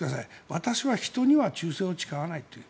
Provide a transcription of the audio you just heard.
私は人には忠誠を誓わないと。